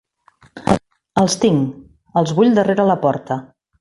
Els tinc, els vull darrere la porta.